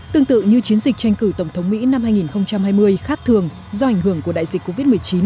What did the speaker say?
tương tự như chiến dịch tranh cử tổng thống mỹ năm hai nghìn hai mươi khác thường do ảnh hưởng của đại dịch covid một mươi chín